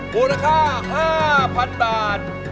มูลค่า๕๐๐๐บาท